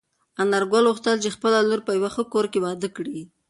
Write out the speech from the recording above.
انارګل غوښتل چې خپله لور په یوه ښه کور کې واده کړي.